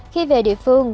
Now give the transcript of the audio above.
khi về địa phương